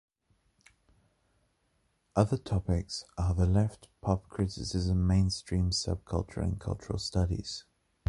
Other topics are the left, pop, criticism, mainstream, subculture and cultural studies.